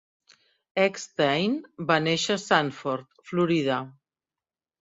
Eckstein va néixer a Sanford, Florida.